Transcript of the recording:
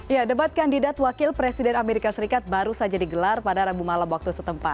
ya debat kandidat wakil presiden amerika serikat baru saja digelar pada rabu malam waktu setempat